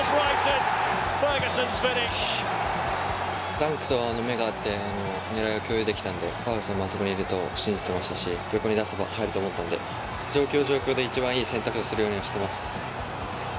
ダンクと目が合って狙いを共有できたのでファーガソンも、あそこにいると信じていましたし横に出せば入ると思っていたので状況状況で一番いい選択をするようにしてます。